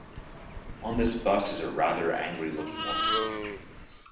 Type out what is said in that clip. On this bus is a rather angry looking woman.